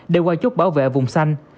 để qua chốt bảo vệ vùng xanh